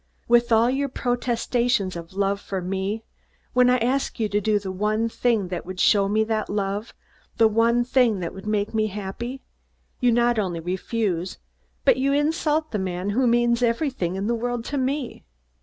With all your protestations of love for me, when I ask you to do the one thing that would show that love, the one thing that would make me happy, you not only refuse, but you insult the man who means everything in the world to me.